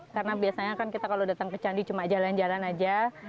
karena biasanya kan kita kalau datang ke candi cuma jalan jalan aja